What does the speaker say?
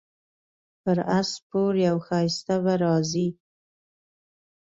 پر اس سپور یو ښایسته به راځي